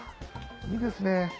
いいですね。